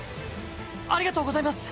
ありがとうございます。